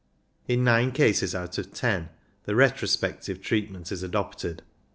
In nine cases out of every ten the retro spective treatment is adopted.